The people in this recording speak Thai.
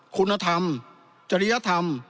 คุณธรรมจริยธรรม